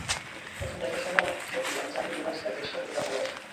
প্রথম দেখার সময় থেকেই আমি জানি ডোনাল্ড তাঁর দেশকে কতটা ভালোবাসেন।